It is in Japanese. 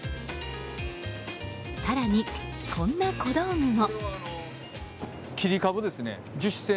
更に、こんな小道具も。